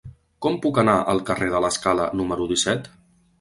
Com puc anar al carrer de l'Escala número disset?